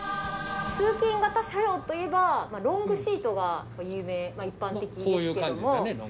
通勤型車両といえばロングシートが有名一般的ですけども。